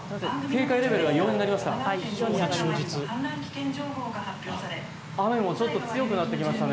警戒レベルが４になりました。